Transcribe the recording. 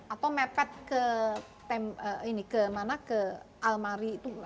atau mepet ke mana ke almari itu